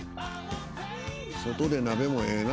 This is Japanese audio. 外で鍋もええな。